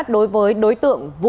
đối với đối tượng vũ